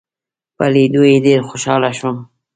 په لیدو یې ډېر خوشاله شوم.